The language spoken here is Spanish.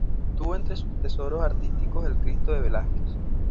Tuvo entre sus tesoros artísticos el "Cristo de Velázquez".